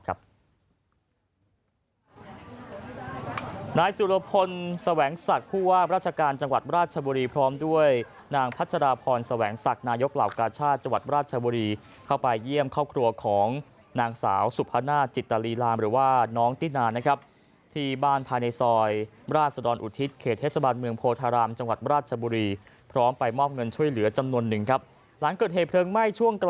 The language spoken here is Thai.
นายสุรพลแสวงศักดิ์ผู้ว่าราชการจังหวัดบราชบุรีพร้อมด้วยนางพัชรพรแสวงศักดิ์นายกเหล่ากาชาติจังหวัดบราชบุรีเข้าไปเยี่ยมครอบครัวของนางสาวสุภาณาจิตตาลีรามหรือว่าน้องติ๊นานะครับที่บ้านพาในซอยราชสะดอนอุทิศเขตเทศบาลเมืองโพธารามจังหวัดบราชบุรีพร้อมไปมอบเงิ